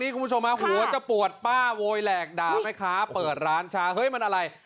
คุณผู้ชมหัวจะปวดป้าโวยแหลกด่าแม่ค้าเปิดร้านชาเฮ้ยมันอะไร